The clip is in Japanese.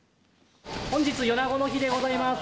本日４７５の日でございます。